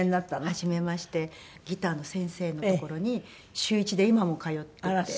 始めましてギターの先生のところに週１で今も通ってて。